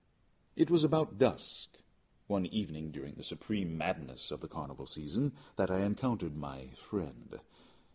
It was about dusk, one evening during the supreme madness of the carnival season, that I encountered my friend.